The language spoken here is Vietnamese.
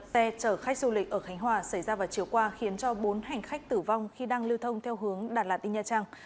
xe chở khách du lịch ở khánh hòa xảy ra vào chiều qua khiến cho bốn hành khách tử vong khi đang lưu thông theo hướng đà lạt đến nha trang